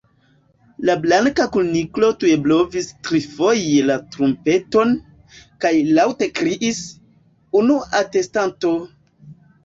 La Blanka Kuniklo tuj blovis trifoje la trumpeton, kaj laŭte kriis: "Unua atestanto!"